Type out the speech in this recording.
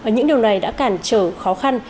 những điều này đã cản trở khó khăn